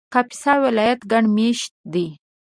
کاپیسا ولایت ګڼ مېشته دی